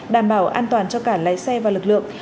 đảm bảo an toàn cho cả lái xe và lực lượng